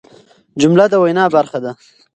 جمله د وینا برخه ده.